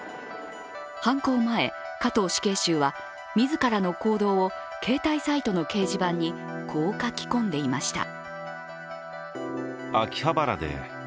犯行前、加藤死刑囚は自らの行動を携帯サイトの掲示板に、こう書き込んでいました。